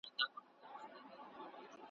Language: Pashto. کله وعده کله انکار کله پلمه لګېږې `